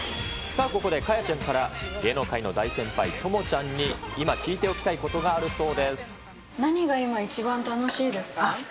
さあここで果耶ちゃんから、芸能界の大先輩、友ちゃんに、今、聞いておきたいことがあるそ何が今、一番楽しいですか？